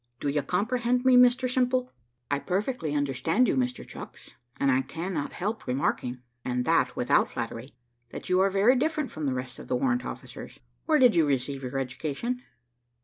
Do you comprehend me, Mr Simple?" "I perfectly understand you, Mr Chucks, and I cannot help remarking, and that without flattery, that you are very different from the rest of the warrant officers. Where did you receive your education?"